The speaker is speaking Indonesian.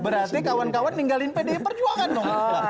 berarti kawan kawan tinggalin pdi perjuangan dong